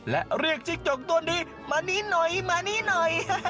และเรียกจิงจกตัวนี้มานิ่นหน่อย